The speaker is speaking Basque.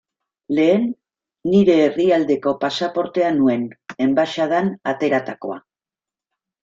Lehen nire herrialdeko pasaportea nuen, enbaxadan ateratakoa.